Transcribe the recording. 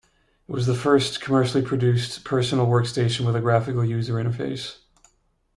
It was the first commercially produced personal workstation with a Graphical User Interface.